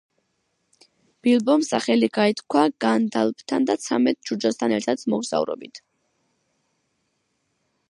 ბილბომ სახელი გაითქვა განდალფთან და ცამეტ ჯუჯასთან ერთად მოგზაურობით.